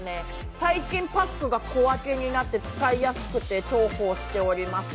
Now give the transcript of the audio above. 最近パックが小分けになって使いやすくて重宝しております。